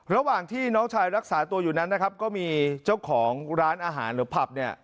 ระหว่างที่น้องชายรักษาตัวอยู่นั้นนะครับก็มีเจ้าของร้านอาหารหรือผับเนี่ย